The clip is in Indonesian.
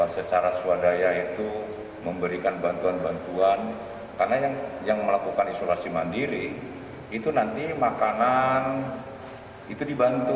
secara swadaya itu memberikan bantuan bantuan karena yang melakukan isolasi mandiri itu nanti makanan itu dibantu